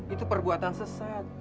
itu perbuatan sesat